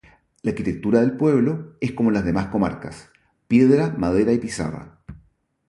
La arquitectura del pueblo es como las demás comarcas: piedra, madera y pizarra.